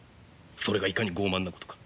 それがいかに傲慢なことか。